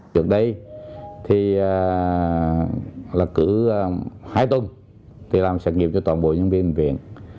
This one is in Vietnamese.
trước đây thì là cứ hai tuần thì làm xét nghiệm cho toàn bộ nhân viên y tế